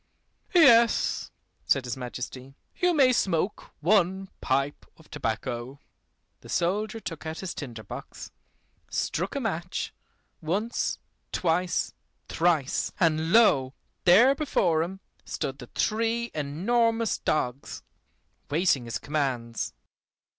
"Yes," said his Majesty, "you may smoke one pipe of tobacco." The soldier took out his tinder box, struck a match, once, twice, thrice, and lo! there before him stood the three enormous dogs, waiting his commands.